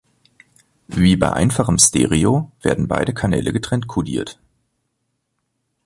Wie bei einfachem Stereo werden beide Kanäle getrennt kodiert.